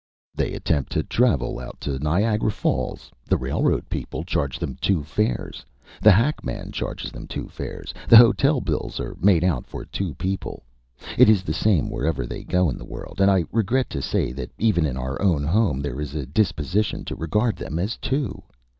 They attempt to travel out to Niagara Falls. The railroad people charge them two fares; the hackman charges them two fares; the hotel bills are made out for two people. It is the same wherever they go in the world, and I regret to say that even in our own home there is a disposition to regard them as two.